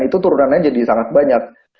dan itu turunannya jadi sangat banyak